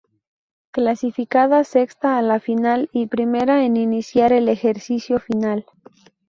Clasificada Sexta a la final, y primera en iniciar el Ejercicio Final.